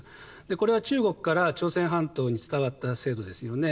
これは中国から朝鮮半島に伝わった制度ですよね。